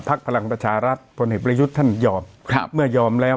พลังประชารัฐพลเอกประยุทธ์ท่านยอมครับเมื่อยอมแล้ว